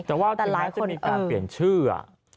แต่หลายคนจะมีการเปลี่ยนชื่อ